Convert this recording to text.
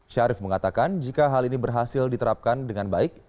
syarif mengatakan jika hal ini berhasil diterapkan dengan baik